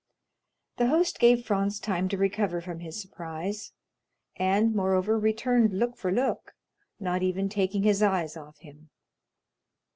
The host gave Franz time to recover from his surprise, and, moreover, returned look for look, not even taking his eyes off him.